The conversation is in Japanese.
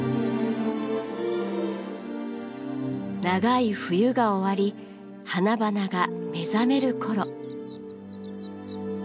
長い冬が終わり花々が目覚める頃。